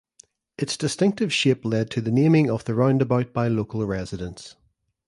Its distinctive shape led to the naming of the roundabout by local residents.